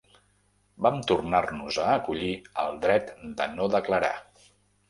Vam tornar-nos a acollir al dret de no declarar.